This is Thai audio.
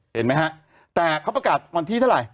เห็นไหมฮะแต่เขาประกาศวันที่เท่าไหร่